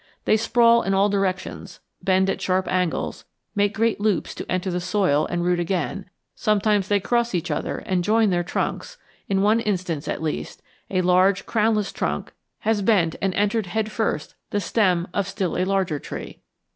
They sprawl in all directions, bend at sharp angles, make great loops to enter the soil and root again; sometimes they cross each other and join their trunks; in one instance, at least, a large crownless trunk has bent and entered head first the stem of still a larger tree.